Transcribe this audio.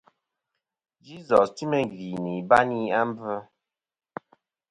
Jesus ti meyn gvì nɨ̀ ibayni a mbvɨ.